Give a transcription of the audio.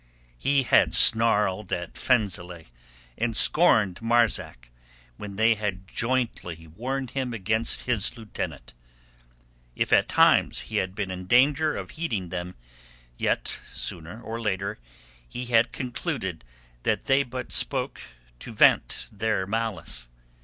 He had snarled at Fenzileh and scorned Marzak when they had jointly warned him against his lieutenant; if at times he had been in danger of heeding them, yet sooner or later he had concluded that they but spoke to vent their malice.